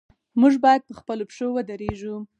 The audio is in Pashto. موږ باید په خپلو پښو ودریږو.